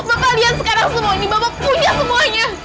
bapak kalian sekarang semua ini bapak punya semuanya